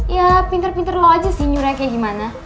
ya pinter pinter lo aja sih nyuranya kayak gimana